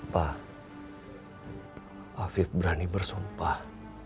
pak afif berani bersumpah